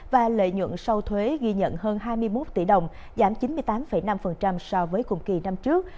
và lợi nhuận sau thuế ghi nhận hơn hai mươi một tỷ đồng giảm chín mươi tám năm so với cùng kỳ năm trước